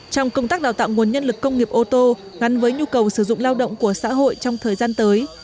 trong công tác đào tạo nguồn nhân lực công nghiệp ô tô ngắn với nhu cầu sử dụng lao động của xã hội trong thời gian tới